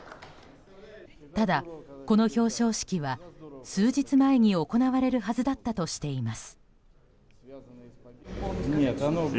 ただ、この表彰式は数日前に行われるはずだったとしています。